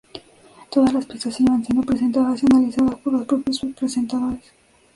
Todas las piezas iban siendo presentadas y analizadas por los propios presentadores.